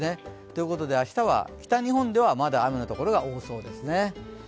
ということで、明日は北日本ではまだ雨のところが多そうです。